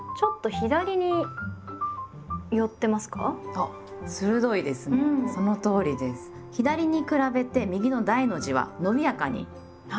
左に比べて右の「大」の字はのびやかに見えますよね。